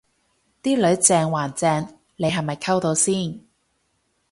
啲女正還正你係咪溝到先